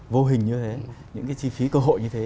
vô hình như thế những cái chi phí cơ hội như thế